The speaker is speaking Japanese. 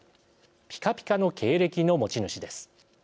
ぴかぴかの経歴の持ち主です。